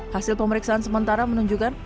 hasil pemeriksaan sementara menunjukkan